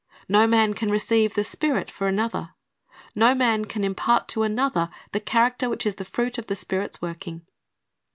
No man can receive the Spirit for another. No man can impart to another the character which is the fruit of the Spirit's working.